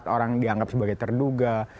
empat orang dianggap sebagai terduga